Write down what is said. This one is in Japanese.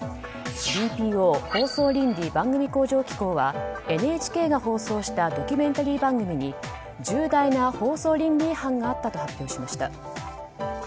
ＢＰＯ・放送倫理・番組向上機構はＮＨＫが放送したドキュメンタリー番組に重大な放送倫理違反があったと発表しました。